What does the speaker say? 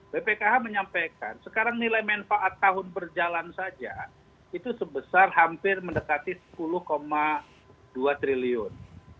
bpkh menyampaikan sekarang nilai manfaat tahun berjalan saja itu sebesar hampir mendekati sepuluh dua triliun